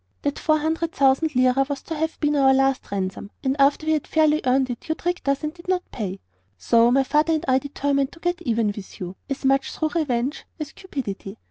That four hundred thousand lira was to have been our last ransom, and after we had fairly earned it you tricked us and did not pay. "So my father and I determined to get even with you, as much through revenge as cupidity.